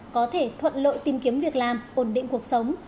có thể thuận lợi tìm kiếm việc làm ổn định cuộc sống